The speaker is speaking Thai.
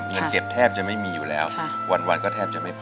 เงินเก็บแทบจะไม่มีอยู่แล้ววันก็แทบจะไม่พอ